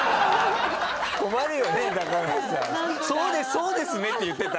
「そうですね」って言ってた？